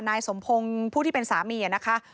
นายสมพงศ์ผู้ที่เป็นสามีนะคะ